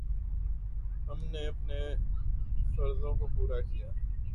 ہم نے اپنے فرضوں کو پورا کیا۔